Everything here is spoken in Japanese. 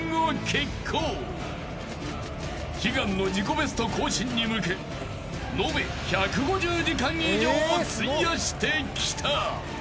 ベスト更新に向け延べ１５０時間以上を費やしてきた］